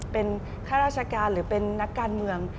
เป็นข้าราชการหรือเป็นนักการเมือง